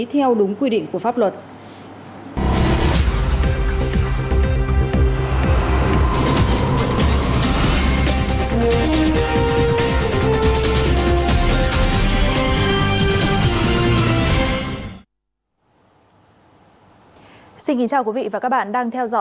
theo đúng quy định của pháp luật